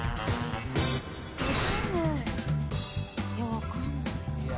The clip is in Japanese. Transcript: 分かんない。